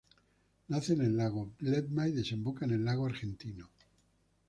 Nace en el lago Viedma y desemboca en el lago Argentino.